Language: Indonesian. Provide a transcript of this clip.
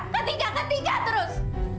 kak tika kak tika terus